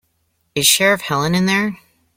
Is Sheriff Helen in there?